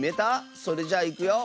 それじゃいくよ。